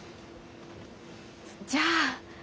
じゃあ。